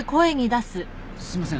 すいません。